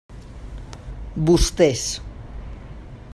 Vostès.